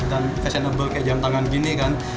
dan fashionable kayak jam tangan gini kan